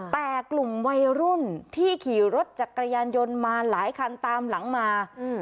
แต่กลุ่มวัยรุ่นที่ขี่รถจักรยานยนต์มาหลายคันตามหลังมา